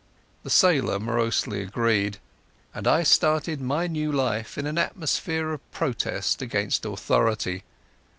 The sailor morosely agreed, and I started my new life in an atmosphere of protest against authority.